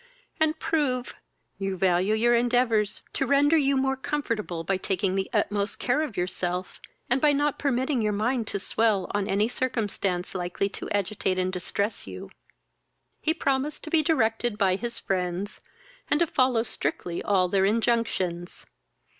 and prove, you value our endeavours to render you more comfortable by taking the utmost care of yourself, and by not permitting you mind to swell on any circumstance likely to agitate and distress you." He promised to be directed by his friends, and to follow strictly all their injunctions.